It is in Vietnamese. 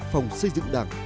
phòng xây dựng đảng